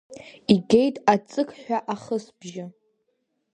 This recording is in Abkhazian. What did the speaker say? Игеит аҵықь ҳәа ахысбжьы.